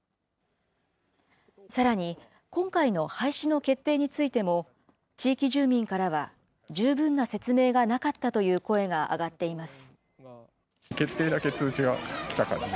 さらに、今回の廃止の決定についても、地域住民からは十分な説明がなかったという声が上がっています。